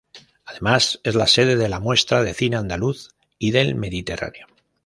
Además, es la sede de la Muestra de cine andaluz y del Mediterráneo.